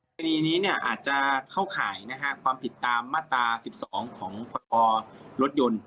กรณีนี้เนี้ยอาจจะเข้าข่ายนะฮะความผิดตามมาตราสิบสองของพลปรถยนต์